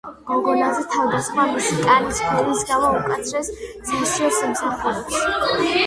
გოგონაზე თავდასხმა მისი კანის ფერის გამო უმკაცრეს სასჯელს იმსახურებს.